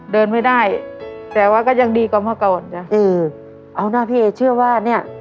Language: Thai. เดินไม่ได้แต่ว่าก็ยังดีกว่าเมื่อก่อนจ้ะเออเอานะพี่เอเชื่อว่าเนี้ย